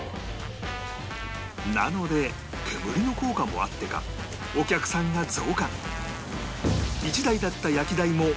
なので煙の効果もあってかお客さんが増加